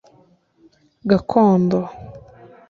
Gakondo